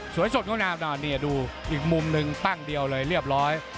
สวยสดของนาวนี่ดูอีกมุมนึงตั้งเดียวเลยเรียบร้อย